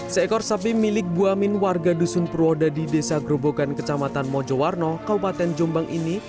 seekor sapi milik bu amin warga dusun purwoda di desa grobogan kecamatan mojowarno kabupaten jombang ini